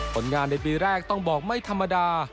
ผลงานในปีแรกต้องบอกไม่ธรรมดา